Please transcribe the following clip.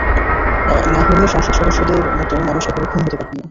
না হলে সংসদ সদস্যদের মতো মানুষ এভাবে খুন হতে পারেন না।